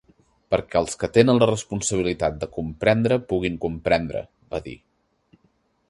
"Perquè els que tenen la responsabilitat de comprendre puguin comprendre" va dir.